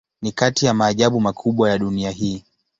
Ni kati ya maajabu makubwa ya dunia hii.